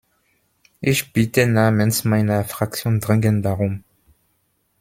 Ich bitte namens meiner Fraktion dringend darum!